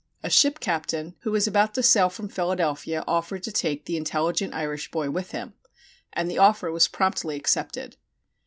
A ship captain who was about to sail from Philadelphia offered to take the intelligent Irish boy with him, and the offer was promptly accepted.